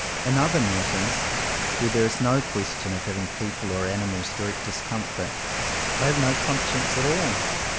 In other matters, where there is no question of giving people or animals direct discomfort, I have no conscience at all.